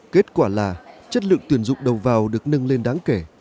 kết quả là chất lượng tuyển dụng đầu vào được nâng lên đáng kể